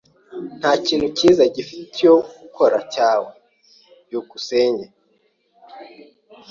Nta kintu cyiza ufite cyo gukora igihe cyawe? byukusenge